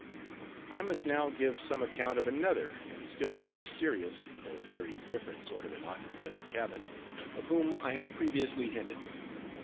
I must now give some account of another and still more mysterious, though very different, sort of an occupant of the cabin, of whom I have previously hinted.